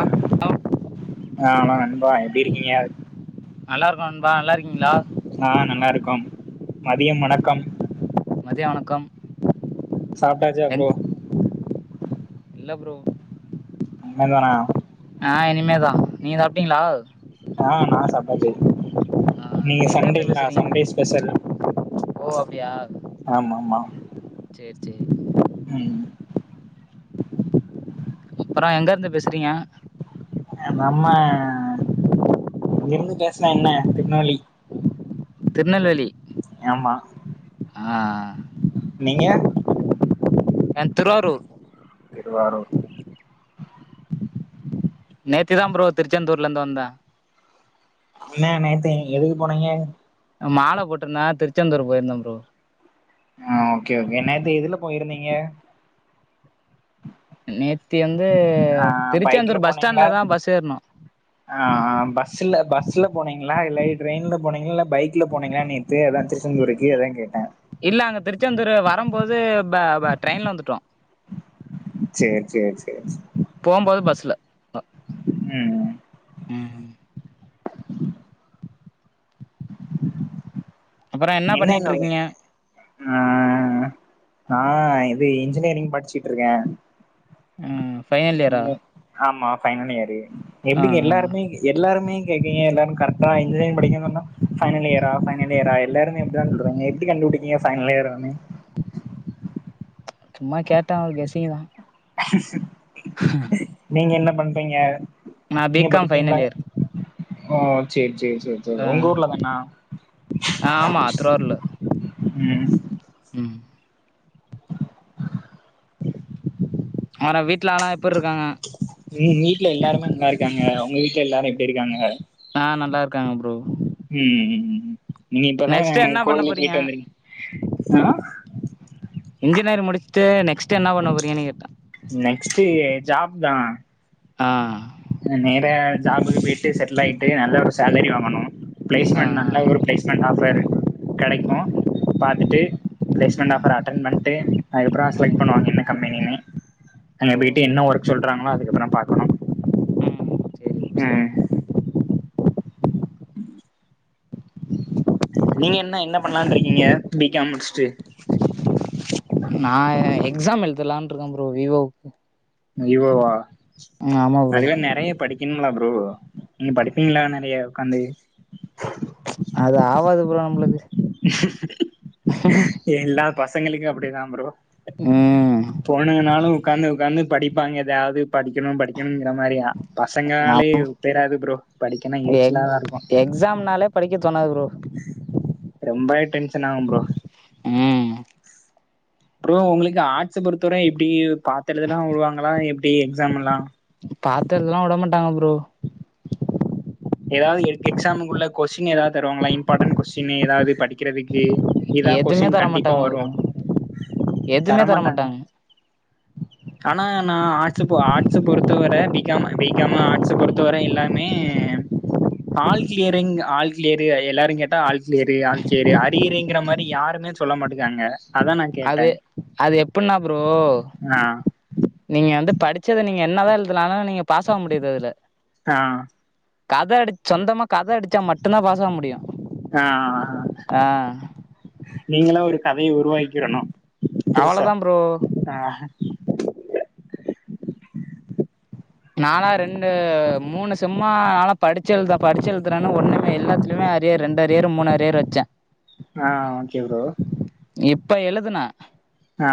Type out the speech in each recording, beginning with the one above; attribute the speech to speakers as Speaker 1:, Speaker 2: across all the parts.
Speaker 1: ஆ
Speaker 2: hello
Speaker 1: hello நண்பா எப்டி இருக்கீங்க
Speaker 2: நல்லா இருக்கோம் நண்பா நல்லா இருக்கீங்ளா
Speaker 1: ஆ நல்லா இருக்கோம் மதியம் வணக்கம்
Speaker 2: மதிய வணக்கம்
Speaker 1: சாப்ட்டாச்சா
Speaker 2: எங்
Speaker 1: ப்ரோ
Speaker 2: இல்ல ப்ரோ
Speaker 1: உண்மதானா
Speaker 2: ஆ இனிமேதான் நீங்க சாப்ட்டீங்ளா
Speaker 1: ஆ நான் சாப்டாச்சு
Speaker 2: ஆ
Speaker 1: நீங்க சண்டே
Speaker 2: எங்கேருந்து
Speaker 1: இல்லா
Speaker 2: பேசுகிறீங்க
Speaker 1: சண்டே ஸ்பெஷல் ஆமா ஆமா
Speaker 2: சேரி சேரி
Speaker 1: ம்
Speaker 2: அப்பற எங்க இருந்து பேசுறீங்க
Speaker 1: நம்ம எங்க இருந்து பேசனா என்ன திருநெவேலி
Speaker 2: திருநெல்வேலி
Speaker 1: ஏ மா
Speaker 2: ஆ ஆ
Speaker 1: நீங்க
Speaker 2: கண் திருவாரூர்
Speaker 1: திருவாரூர்
Speaker 2: நேத்தி தான் ப்ரோ திருச்செந்தூர்ல இருந்து வந்தே
Speaker 1: என்ன நேத்து எ எதுக்கு போனீங்க
Speaker 2: நா மாலை போட்டிருந்தே திருச்செந்தூர் போயிருந்தே ப்ரோ
Speaker 1: ஆ ஓகே ஓகே நேத்து எதுல போயிருந்தீங்க
Speaker 2: நேத்தி வந்து
Speaker 1: ஆ பைக்ல
Speaker 2: திருச்செந்தூர் பஸ்
Speaker 1: போனீங்களா
Speaker 2: ஸ்டாண்ட்ல தான் பஸ் ஏறுனோ
Speaker 1: ஆ ஆ பஸ்ல பஸ்ல போனீங்களா இல்ல ட்ரெயின்ல போனீங்களா இல்ல பைக்ல போனீங்களான்னு த்து அதா திருச்செந்தூருக்கு அதா கேட்டேன்
Speaker 2: இல்ல அங்க திருச்செந்தூர் வரம் போது பே பே ட்ரெயின்ல வந்துட்டோ
Speaker 1: சேரி சேரி சேரி சே
Speaker 2: போம் போது பஸ்ல
Speaker 1: ம் ம்
Speaker 2: ம்
Speaker 1: [unintelligible]
Speaker 2: அப்புறோ
Speaker 1: என்ன நோவு
Speaker 2: பண்ணிட்ருக்கீங்க
Speaker 1: ஆ நா ஆ இது இன்ஜினியரிங் படிச்சுட்டு இருக்கே
Speaker 2: ம் ஃபைனல் இயரா
Speaker 1: ஆமா ஃபைனல் இயரு
Speaker 2: ஆ
Speaker 1: எப்டிக்கு எல்லாருமே எல்லாருமே கேக்கீங்க எல்லாரு கரெக்டா இன்ஜினியர் படிக்க சொன்னா ஃபைனல் இயரா ஃபைனல் இயரா எல்லாருமே எப்படி தான் சொல்றாங்க எப்டி கண்டுபிடிக்கிங்க ஃபைனல் இயர்ரானு
Speaker 2: ஆ சும்மா கேட்டே ஒரு கெஸ்ஸிங் தா
Speaker 1: [unintelligible]
Speaker 2: [unintelligible]
Speaker 1: நீங்க என்ன பண்றீங்க
Speaker 2: நா பி
Speaker 1: நீங்க
Speaker 2: காம்
Speaker 1: படிக்கீங்களா
Speaker 2: ஃபைனல் இயர்
Speaker 1: ஓ சேரி சேரி சேரி
Speaker 2: ஆ
Speaker 1: உங்க ஊர்ல தானா
Speaker 2: ஆ ஆமா திருவாரூர்ல
Speaker 1: ம்
Speaker 2: ம் வேற வீட்ல எலா எப்டி இருக்காங்க
Speaker 1: வீ வீட்ல எல்லாருமே நல்லா இருக்காங்க உங்க வீட்ல எல்லாரும் எப்படி இருக்காங்க.
Speaker 2: ஆ நல்லா இருக்காங்க ப்ரோ
Speaker 1: ம் ம் ம் நீ இப்பதா
Speaker 2: நெக்ஸ்ட்டு என்ன பண்ண
Speaker 1: கோவிலுக்கு போய்ட்டு வந்திரு ஆ
Speaker 2: இன்ஜினியரிங் முடிச்சுட்டு நெக்ஸ்ட் என்ன பண்ண போறீங்கன்னு கேட்டே
Speaker 1: நெக்ஸ்ட் ஜாப் தா
Speaker 2: ஆ
Speaker 1: நேரா ஜாபுக்கு போயிட்டு செட்டில் ஆயிட்டு நல்ல ஒரு சேலரி வாங்கணும்
Speaker 2: ஆ
Speaker 1: பிளேஸ்மெண்ட் நல்ல ஒரு
Speaker 2: ஆ
Speaker 1: பிளேஸ்மெண்ட் ஆஃபர் கெடைக்கும் பாத்துட்டு பிளேஸ்மெண்ட்
Speaker 2: ஆ
Speaker 1: ஆஃபர் அட்டன் பண்ட்டு, அதுக்கப்பறோ செலக்ட் பண்ணுவாங்க என்ன கம்பெனின்னு. அங்க
Speaker 2: ஓ
Speaker 1: போயிட்டு
Speaker 2: ம்
Speaker 1: என்ன ஒர்க் சொல்றாங்களோ, அதுக்கப்பறோ பாக்கணு
Speaker 2: சேரி ப்ரோ சேரி
Speaker 1: ம்
Speaker 2: ப்ரோ.
Speaker 1: நீங்க என்ன என்ன பண்ணலானு இருக்கீங்க பி காம் முடிச்சுட்டு
Speaker 2: நா எக்ஸாம் எழுதலான் இருக்கே ப்ரோ வி ஓ க்
Speaker 1: வி ஓ வா
Speaker 2: ஆமா ப்ரோ
Speaker 1: அதுக்லா நெறைய படி க்கனும்லா ப்ரோ நீங்க படிப்பீங்களா நெறைய உக்காந்து
Speaker 2: அது ஆவாது ப்ரோ நம்மளுக்கு
Speaker 1: [unintelligible]
Speaker 2: [unintelligible]
Speaker 1: எல்லா பசங்களுக்கு அப்புடிதா ப்ரோ
Speaker 2: ம்
Speaker 1: பொண்ணுகனாலு உக்காந்து உக்காந்து படிப் பாங்க எதாவ்து படிக்கணு படிக்கணுங்கிற மாரியா
Speaker 2: நா
Speaker 1: பசங்கனாலே தேராது ப்ரோ படிக்கனா
Speaker 2: எக்
Speaker 1: எரிச்சலாதா இருக்கு
Speaker 2: எக்ஸாம்னாலே படிக்க தோணாது ப்ரோ
Speaker 1: ரொம்பவே டென்ஷன் ஆகு ப்ரோ
Speaker 2: ம்
Speaker 1: [inaudible] ப்ரோ உங்களுக்கு ஆர்ட்ஸ பொறுத்தவரை எப்டி பாத்து எழுதலா வுடுவாங்களா எப்டி எக்ஸாமெல்லா
Speaker 2: பாத்தெழுதல்லா விடமாட்டாங்க ப்ரோ
Speaker 1: எதாவ்து எக் எக்ஸாமுக்கு உள்ள கொஸ்டின் எதாவ் தருவாங்களா இம்பார்ட்டன்ட் கொஸ்டின் எதாவ்து படிக்கிறதுக்கு இதா
Speaker 2: எதுமே
Speaker 1: கொஷ்டின்
Speaker 2: தர
Speaker 1: கண்டிப்பா
Speaker 2: மாட்டாங்க
Speaker 1: வரு
Speaker 2: ப்ரோ எதுமே தர
Speaker 1: தரமாட்டாங்க
Speaker 2: மாட்டாங்க
Speaker 1: ஆனா நா ஆர்ட்ஸ் பொ ஆர்ட்ஸ பொறுத்த வர பி காம் பி காம ஆர்ட்ஸ பொறுத்த வர எல்லாமே ஆல் கிளியரிங், ஆல் கிளியரு எல்லாருங் கேட்டா ஆல் கிளியரு ஆல் கிளியரு அரியறுங்கிற மாரி யாருமே சொல்ல மாட்டுக்காங்க அதா நா கேட்டே
Speaker 2: அது அது எப்பனா ப்ரோ
Speaker 1: ஆ
Speaker 2: நீங்க வந்து படிச்சத நீங்க என்னதா எழுதினாலு நீங்க பாஸ் ஆக முடியாது அதுல.
Speaker 1: ஆ
Speaker 2: கத அடிச் சொந்தமா கத அடிச்சா மட்டுந்தா பாஸ் ஆக முடியு
Speaker 1: ஆ
Speaker 2: ஆ
Speaker 1: நீங்களா ஒரு கதைய உருவாக்கிறணு புதுசா
Speaker 2: அவ்வளதா ப்ரோ
Speaker 1: ஆஹ
Speaker 2: நானா ரெண்டு மூணு செம்மா நானா படிச்சு எழுத படிச்சு எழுதுறேன்னு ஒன்னுமே எல்லாத்துலயுமே அ ரியர் ரெண்டு அரியர், மூணு அரியர் வச்சே
Speaker 1: ஆ ஓகே ப்ரோ
Speaker 2: இப்ப எழுதுன
Speaker 1: ஆ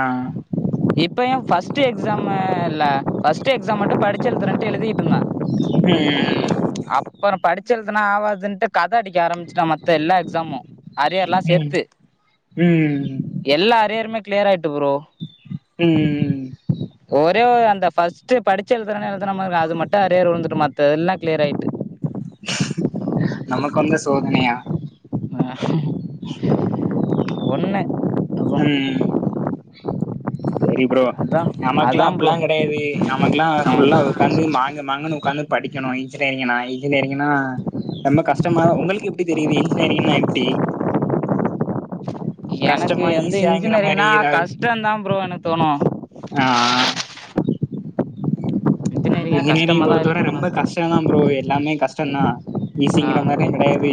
Speaker 2: இப்ப ஏ ஃபர்ஸ்ட் எக்ஸாமுல்ல ஃபர்ஸ்ட் எக்ஸாம் மட்டு படிச்சு எழுத்துறேன்ட்டு எழுதிட்டு இருந்தே
Speaker 1: ம் ம் ம்
Speaker 2: அப்பறம் படிச்சு எழுதுனா ஆவாதுன்ட்டு, கத அடிக்க ஆரம்பிச்சுட்ட மத்த எல்லா எக்ஸாமு அரியர்லா
Speaker 1: ம்
Speaker 2: சேத்து,
Speaker 1: ம்
Speaker 2: எல்லா அரியருமே கிளியர் ஆயிட்டு ப்ரோ.
Speaker 1: ம் ம்
Speaker 2: ஒரே ஒரு அந்த ஃபஸ்ட் படிச்சு எழுதுறனே எழுதுன மாருக்கு அது மட்டு அரியர் உழுந்துட்டு மத்ததெல்லா கிளியர் ஆயிட்டு.
Speaker 1: நமக்கு வந்த சோதனையா
Speaker 2: ஆ ஒன்னு
Speaker 1: ம் ம் ம் செரி ப்ரோ
Speaker 2: அதா
Speaker 1: நமக்குல்லா
Speaker 2: அதா ப்ரோ
Speaker 1: அப்புல்லா கெடையாது நமக்குல்லா ஃபுல்லா உக்காந்து மாங்கு மாங்குன்னு உக்காந்து படிக்கணு இன்ஜினியரிங்னா இன்ஜினியரிங்னா ரொம்ப கஷ்டமா உங்களுக் கு எப்டி தெரியுது இன்ஜினியரிங்னா எப்டி
Speaker 2: எனக்கு
Speaker 1: கஷ்டமா
Speaker 2: எந்த
Speaker 1: ஈஸியாங்கிற மாரி
Speaker 2: இன்ஜினியரிங்னா
Speaker 1: ஏதாவது
Speaker 2: கஷ்டோதா ப்ரோ எனக் தோணு
Speaker 1: ஆ
Speaker 2: இன்ஜினியரிங்கா
Speaker 1: இன்ஜினியரிங்
Speaker 2: கஷ்டமாதா
Speaker 1: பொறுத்த வர
Speaker 2: இருக்குன்னு
Speaker 1: ரொம்ப
Speaker 2: தோணு
Speaker 1: கஷ்டோ தா ப்ரோ எல்லாமே கஷ்டோ தா
Speaker 2: ஆ
Speaker 1: ஈசிங்கிற மாரிலா கெடயாது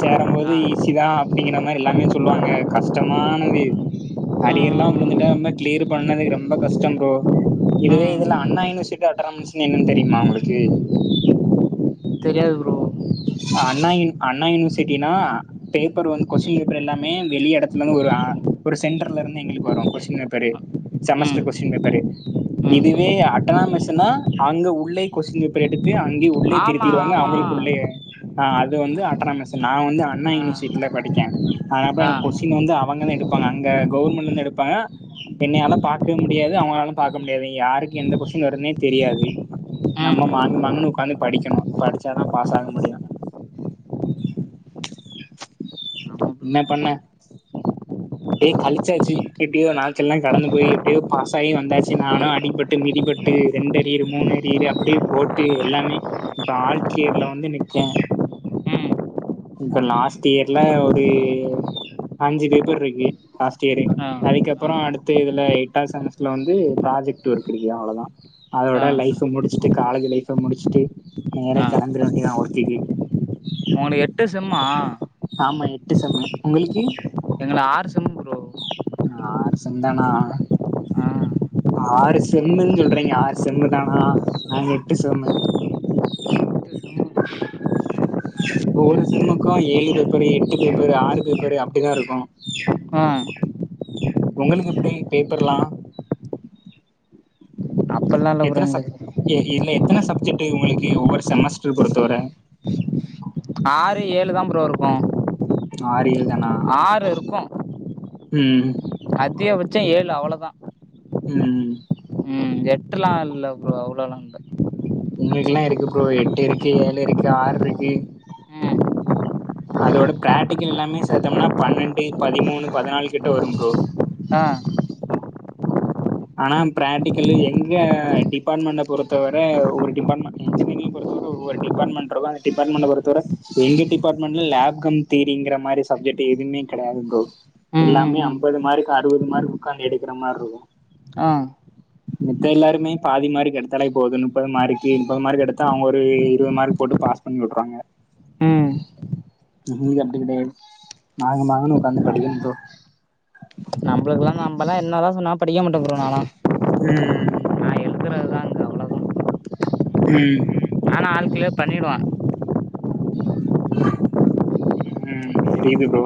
Speaker 1: சேருபோது
Speaker 2: ஆ
Speaker 1: ஈஸிதா அப்டிங்கிற மாரி எல்லாமே சொல்லுவாங்க கஷ்டமானது
Speaker 2: ம்
Speaker 1: அரியர்ல்லா
Speaker 2: ம்
Speaker 1: விழுந்துட்டா
Speaker 2: ம்
Speaker 1: ரொம்ப கிளியர் பண்ணது ரொம்ப கஷ்டம் ப்ரோ இதே
Speaker 2: ம்.
Speaker 1: இதுல அண்ணாயூனிவர்ஸ்க்கு அட்டாரமின்ஸ்னா என்னன்னு தெரியுமா உங்ளுக்கு
Speaker 2: தெரியாது ப்ரோ
Speaker 1: அண்ணா யுன் அண்ணா யூனிவர்சிட்டினா பேப்பர் வந்து கொஸ்டின் பேப்பர் எல்லாமே வெளி எடத்துல இருந்து வரு ஆ ஒரு சென்டர்ல இருந்து எங்ளுக்கு வரு கொஸ்டின் பேப்பரு
Speaker 2: ம்.
Speaker 1: செமஸ்டர் கொஸ்டின் பேப்பரு
Speaker 2: ம்.
Speaker 1: இதுவே அட்டனாமெஸ்ஸுனா, அங்க உள்ளே கொஸ்டின் பேப்பர் எடுத்து அங்கேயே உள்ளே
Speaker 2: ஆமா,
Speaker 1: திருத்திடுவாங்க
Speaker 2: ஆமா.
Speaker 1: அவுங்களுக் குள்ளேய அது வந்து அட்டானமெஸ்ஸு நா வந்து அண்ணா
Speaker 2: ஆ.
Speaker 1: யூனிவர்சிட்டில படிக்கே அதாப்பா
Speaker 2: ஆ.
Speaker 1: எனக்கு கொஸ்டின் வந்து அவங்களே எடுப்பாங்க அங்க கவுர்மெண்லருந்து எடுப்பாங்க என்னயால பாக்க முடியாது அவனாலு பாக்க முடியாது யாருக்கு எந்த கொஸ்டின் வருதுனே தெரியாது
Speaker 2: ம்.
Speaker 1: நம்ம
Speaker 2: ம்.
Speaker 1: மாங்கு மாங்குனு உக்காந்து படிக்கணு படிச்சாதா பாஸ்
Speaker 2: ஆமா
Speaker 1: ஆக
Speaker 2: ப்ரோ, ஆமா
Speaker 1: முடியு
Speaker 2: ப்ரோ.
Speaker 1: என்ன பண்ண டேய் கழிச்சாச்சு எப்டியோ நாட்கள்ளா கடந்து போய் எப்டியோ பாஸாய் வந்தாச்சு நானு அடிபட் டு மிதிபட்டு ரெண்டு அரியரு மூனு அரியரு அப்டியே போட்டு எல்லாமே இப்ப ஆல் க்ளியர்ல வந்து நிப்போ
Speaker 2: ம். ம்.
Speaker 1: இப்ப மாஸ்ட் இயர்ல ஒரு அஞ்சு பேப்பர் இருக்கு லாஸ்ட் இயரே
Speaker 2: ஆ. ஆ.
Speaker 1: அதுக்கப்புறோ அடுத்து இதுல எட்டாவுது செமஸ்டர்ல வந்து ப்ராஜெக்ட் ஒர்க் இருக்கு அவ்ளோதா அதோட
Speaker 2: ஆ.
Speaker 1: லைஃப முடிச்சுட்டு காலேஜ் லைஃப முடிச்சுட்டு
Speaker 2: ஆ.
Speaker 1: வேலைக் கெளம்பிர வேண்டியதா ஒர்க்குக்கு
Speaker 2: ஒனக் எட்டு செம்மா
Speaker 1: ஆமா எட்டு சம்மு ஒங்ளுக்கு
Speaker 2: எங்கள ஆறு சம் ப்ரோ
Speaker 1: ஆறு சம்தானா
Speaker 2: ஆ.
Speaker 1: ஆறு செல்லுன் சொல்றீங்க ஆறு செம்மு தானா நாங்க எட்டு செம்மு ஒரு செம்முக்கு ஏழு பேப்பரு எட்டு பேப்பரு ஆறு பேப்பரு அப்டிதா இருக்கணு
Speaker 2: ஆ
Speaker 1: ஒங்ளுக்கு எப்டி பேப்பர்லா
Speaker 2: அப்பல்லாம் இல்ல ப்ரோ
Speaker 1: எத்தன சப்
Speaker 2: எங்களுக்கு.
Speaker 1: இல்ல எத்தன சப்ஜெக்ட்டு ஒங்களுக்கு ஒவ்வொரு செமஸ்டர் பொறுத்த வர
Speaker 2: ஆறு ஏழு தா ப்ரோ இருக்கு
Speaker 1: ஆறு ஏழ்
Speaker 2: ஆறு இருக்கு
Speaker 1: ம்
Speaker 2: அதிகபட்சோ ஏழு அவ்ளோதா
Speaker 1: ம்
Speaker 2: ம் எட்டுலா இல்ல ப்ரோ அவ்ளோலா இல்ல
Speaker 1: உங்ளுக்குலா எதுக்கு ப்ரோ எட்டு இருக்கு ஏழு இருக்கு ஆறுருக்கு
Speaker 2: ம்.
Speaker 1: அதோட பிராக்டிகல் எல்லாமே சேர்த்தோம்னா பன்னன்டு பதிமூணு பதினாலு கிட்ட வரு ப்ரோ
Speaker 2: ஆ
Speaker 1: ஆனா பிராக்டிகல்லு எங்க டிபார்ட்மெண்ட பொறுத்தவர ஒரு டிபார்ட்மெண்ட் இன்ஜினிரிங் பொறுத்தவர ஒரு டிபார்ட்மெண்ட்ருக்கு அந்த டிபார்ட்மெண்ட பொறுத்தவர எங்க டிபார்ட்மெண்ட்ல லேப் கம் தியரிங்ற மாரி சப்ஜெக்ட் எதுமே கெடயாது ப்ரோ
Speaker 2: ம், ம்,
Speaker 1: எல்லாமே
Speaker 2: ம்.
Speaker 1: ஐம்பது மார்க் அறுவது மார்க் உக்காந்து எடுக்இற மாரி இருக்கு
Speaker 2: ஆ
Speaker 1: மித்த எல்லாருமே பாதி மார்க் எடுத்தாலே போது நுப்பது மார்க் மநுப்பது மார்க் எடுத்தா அவங்க ஒரு இருவது மார்க் போட்டு பாஸ் பண்ணி வுட்றாங்க இங்க அப்டி கெடயாது மாங்கு மாங்குன்னு உக்காந்து படிக்கனு ப்ரோ
Speaker 2: நம்மளுக்கெல்லா நம்பலா என்னதா சொன்னாலு படிக்க மாட்ட ப்ரோ நால்லா
Speaker 1: ம்
Speaker 2: அவ்ளோதா
Speaker 1: ம்
Speaker 2: ஆனா ஆல் கிளியர் பண்ணிடுவாங்க
Speaker 1: ம் தெரியிது ப்ரோ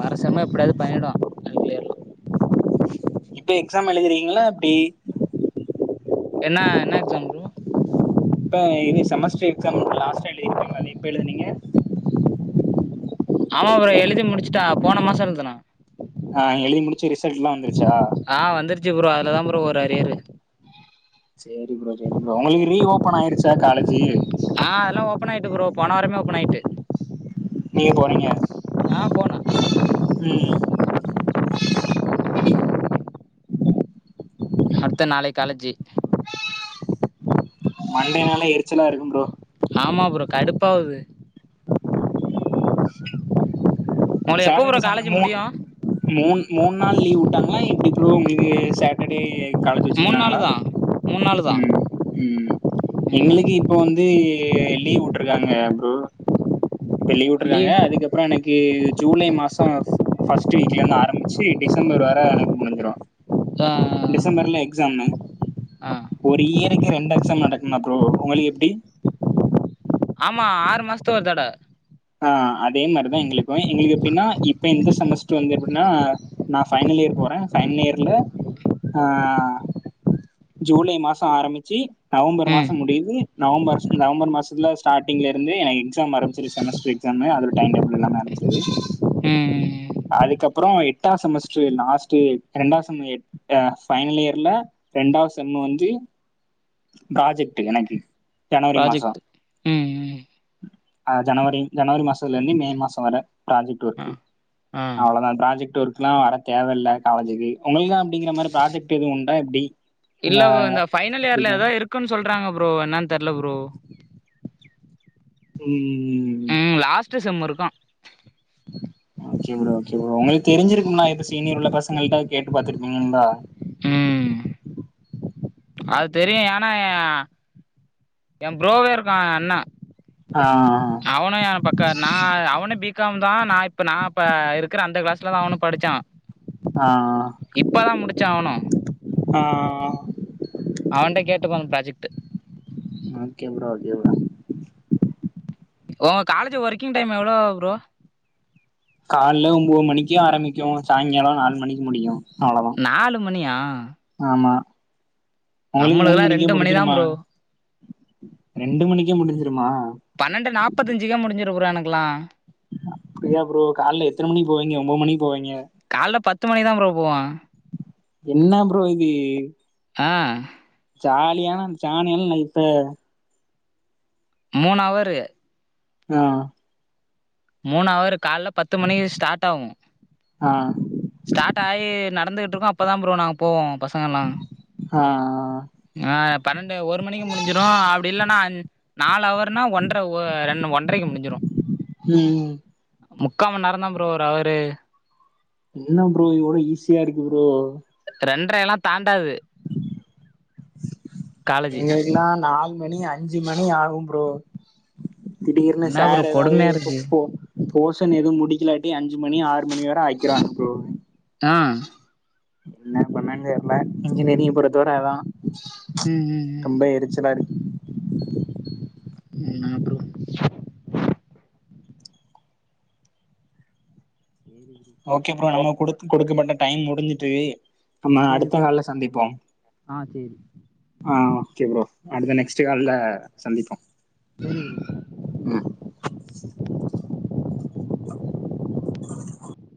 Speaker 2: வர செம்ல எப்டியாவது பண்ணிடுவா ஆல் கிளியர்லா
Speaker 1: இப்ப எக்ஸாம் எழுத்திரிக்கீங்ளா எப்டி
Speaker 2: என்னா என்ன எக்ஸாம் ப்ரோ
Speaker 1: இப்ப இது செமஸ்டர் எக்ஸாம் லாஸ்ட்டா எழுதினீங்கல்ல அது எப்ப எழுதுனீங்க
Speaker 2: ஆமா ப்ரோ எழுதி முடிச்சுட்டா போன மாச எழுதுனோ
Speaker 1: ஆ எழுதி முடிச்சு ரிசல்ட் எல்லா வந்துருச்சா?
Speaker 2: ஆ வந்துருச்சு ப்ரோ அதுல தா ப்ரோ ஒரு அரியரு
Speaker 1: சேரி ப்ரோ சேரி ப்ரோ உங்களுக்கு ரீ ஓப்பன் ஆயிடுச்சா காலேஜி
Speaker 2: ஆ அதல்லா ஓப்பன் ஆகிட்டு ப்ரோ போன வாரமே ஓப்பன் ஆகிட்டு
Speaker 1: நீங்க போறீங்க
Speaker 2: ஆ போன
Speaker 1: ம்
Speaker 2: அடுத்த நாளைக்கி காலேஜ்ஜி
Speaker 1: மண்டேனாலே எரிச்சலா இருக்கு ப்ரோ
Speaker 2: ஆமா ப்ரோ கடுப்பாவுது உங்களுக்கு எப்போ
Speaker 1: சாட்டர்டே
Speaker 2: ப்ரோ
Speaker 1: சண்டே
Speaker 2: காலேஜ்
Speaker 1: மூண்
Speaker 2: முடியு
Speaker 1: மூண் மூண் நாள் லீவ் வுட்டாங்ளா எப்டி ப்ரோ உங்ளுக் சாட்டடே காலேஜ்
Speaker 2: மூணு நாளு
Speaker 1: வெச்சிருந்தாங்ளா
Speaker 2: தா மூணு நாளு தா
Speaker 1: எங்ளுக்கு
Speaker 2: ம்
Speaker 1: இப்போ வந்து லீவ் வுட்ருக்காங்க ப்ரோ இப்ப லீவ் வுட்ருக்காங்க அதுக்கப்றோ எனக்கு ஜூலை மாசோ ஃபஸ்ட் வீக்ல இருந்தி ஆரம்பிச்சி டிசம்பர் வர எனக்கு முடிஞ்சிரு
Speaker 2: ஆ ஆ ஆ
Speaker 1: டிசம்பர்ல எக்ஸாமு ஒரு இயர்க்கு ரெண்டு எக்ஸாம் நடக்குமா ப்ரோ உங்களுக்கு எப்டி
Speaker 2: ஆமா ஆறு மாசத்து ஒரு தட
Speaker 1: ஆ அதே மாரிதா எங்களுக்கு எங்களுக்கு எப்டின்னா இப்ப எந்த செமஸ்ட்ர் வந்து எப்டின்னா நா ஃபைனல் இயர் போறே ஃபைனல் இயர்ல ஆ ஜூலை மாசோ ஆரம்பிச்சி நவம்பர்
Speaker 2: ம்
Speaker 1: மாசோ முடியிது நவம்பர் நவம்பர் மாசத்தில ஸ்டார்டிங்ல இருந்து எனக்கு எக்ஸாம் ஆரம்பிச்சிடு செமஸ்டர் எக்ஸாமு அதொட டைம்டேபுள் எல்லாமே ஆரம்பிச் [inaudible]
Speaker 2: ம்
Speaker 1: அதுக்கப்றோ எட்டா செமஸ்டர் லாஸ்ட்டு [unintelligible] ஆ ஃபைனல் இயர்ல ரெண்டாவது செம் வந்து புராஜெக்ட்டு எனக்கு ஜனவரி மாசோ
Speaker 2: ப்ராஜெக்ட் ம் ம்
Speaker 1: ஆ ஜனவரி ஜனவரி மாசத்துல இருந்து மே மாசோ வர புராஜெக்ட்டு
Speaker 2: ஆ
Speaker 1: ஒர்க்கு
Speaker 2: ஆ
Speaker 1: அவ்ளோதா புராஜெக்ட் ஒர்க்ல்லா வர தேவயில்ல காலேஜ்க்கு உங்ளுக்கெல்ல அப்டிங்ற மாரி புராஜெக்ட் எது உண்டா எப்டி உங்க
Speaker 2: இல்ல ப்ரோ இந்த ஃபைனல் இயர்ல
Speaker 1: எப்டிதா
Speaker 2: ஏதாதோ இருக்குன் சொல்றாங்க ப்ரோ என்னான் தெர்ல ப்ரோ
Speaker 1: ம் ம் ம்
Speaker 2: ம் லாஸ்ட்டு செம்மு இருக்கும்
Speaker 1: ஓகே ப்ரோ ஓகே ப்ரோ உங்களுக்கு தெரிஞ்சிருக்கும்ளா இப்ப சீனியர் உள்ள பசங்கள்ட கேட்டு பாத்துருப்பீங்கள்லா
Speaker 2: ம் அது தெரியு ஏனா எ எ ப்ரோவே இருக்கான் எயாஅண்ணா
Speaker 1: ஆ
Speaker 2: அவனு எ பக்கோ நா அவனு பிப் காம் தா நா இப்ப நா இப்ப இருக்க அந்த கிளாஸ்ல தா அவனு படிச்சா
Speaker 1: ஆ
Speaker 2: இப்பதா முடிச்சா அவனு
Speaker 1: ஆ ஆ ஆ
Speaker 2: அவன்டக் கேட்டுப் பாருங்க project
Speaker 1: okay bro okay bro
Speaker 2: ஓங்க காலேஜ் ஒர்க்கிங் டைம் எவ்ளோ ப்ரோ
Speaker 1: கால்ல ஒம்பது மணிக்கு ஆரம்பிக்கு சாங்காலோ நாலு மணிக்கு முடியு அவ்ளோதா
Speaker 2: நாலு மணியா
Speaker 1: ஆமா நாளைக்கி மூணு
Speaker 2: நம்மளுக்கெல்லா
Speaker 1: மணிக்கே
Speaker 2: ரெண்டு மணி தா
Speaker 1: முடுஞ்சுருமா
Speaker 2: ப்ரோ
Speaker 1: ரெண்டு மணிக்கே முடிஞ்சிருமா
Speaker 2: பன்னெண்டு நாப்பத்தஞ்சுக்கே முடுஞ்சுரு ப்ரோ எனக்லா
Speaker 1: அப்டியா ப்ரோ கால்ல எத்தன மணிக் போவீங்க ஒன்பது மணிக் போவீங்க
Speaker 2: கால்ல பத்து மணிக் தான் ப்ரோ போவ
Speaker 1: என்னா ப்ரோ இது
Speaker 2: அ
Speaker 1: ஜாலியானா ஜானியல் லைப்
Speaker 2: மூணவரு
Speaker 1: ஆ
Speaker 2: மூணவரு கால்ல பத்து மணிக் ஸ்டார்ட் ஆவு
Speaker 1: ஆ
Speaker 2: ஸ்டாட் ஆயி நடந்துகிட்டு இருக்கோ அப்பதா ப்ரோ நாங்க போவோ பசங்கல்லா
Speaker 1: ஆ
Speaker 2: ஆ பன்னெண்டு ஒரு மணிக்கு முடிஞ்சிரு அப்டி இல்லன்னா நாலு அவர்னா ஒன்ற ஒ ரெண் ஒன்றைக்கு முடிஞ்சிரு
Speaker 1: ம்
Speaker 2: முக்கா மணி நேரந்தா ப்ரோ ஒரு அவரு
Speaker 1: என்ன ப்ரோ இவ்ளோ ஈஸியா இருக்கு ப்ரோ
Speaker 2: ரெண்ரயெல்லா தாண்டாது காலேஜு
Speaker 1: எங்களுக்குலா நாலு மணி அஞ்சு மணி ஆவும் ப்ரோ திடீர்னு
Speaker 2: என்னா ப்ரோ
Speaker 1: சாரு ஏதாது
Speaker 2: கொடுமையா இருக்கு
Speaker 1: கூப்போ போஷன் எதும் முடிக்கிலாட்டி அஞ்சு மணி ஆறு மணி வர ஆக்கிருவாங்க ப்ரோ
Speaker 2: ஆ
Speaker 1: என்ன பண்ணேன் தெர்ல இன்ஜினியரிங் பொறுத்தவர அதா ரொம்ப எரிச்சலா இருக்கு
Speaker 2: என்ன ப்ரோ சேரி விடு
Speaker 1: ஓகே ப்ரோ நம்மக் குடுத் குடுக்கப்பட்ட டைம் முடிஞ்சிட்டு நம்ம
Speaker 2: சேரி ப்ரோ சேரி
Speaker 1: அடுத்த
Speaker 2: ப்ரோ
Speaker 1: நாள்ல சந்திப்போ
Speaker 2: ஆ சேரி
Speaker 1: ஆ ஓகே ப்ரோ அடுத்த நெக்ஸ்ட் கால்ல சந்திப்போ
Speaker 2: சேரி ப்ரோ
Speaker 1: ம்